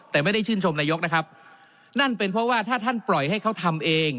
แต่ไม่ได้ชื่นชมนายกนะครับนั่นเป็นเพราะว่าถ้าท่านปล่อยให้เขาทำเอง